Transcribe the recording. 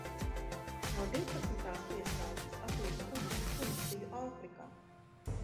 No divpadsmitās piestātnes aties kuģis uz Tunisiju Āfrikā.